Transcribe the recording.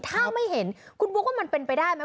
ถ้าไม่เห็นคุณบุ๊คว่ามันเป็นไปได้ไหม